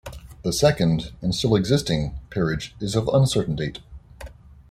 The second, and still existing, peerage is of uncertain date.